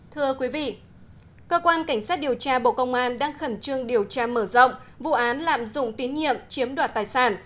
thưa quý vị cơ quan cảnh sát điều tra bộ công an đang khẩn trương điều tra mở rộng vụ án lạm dụng tín nhiệm chiếm đoạt tài sản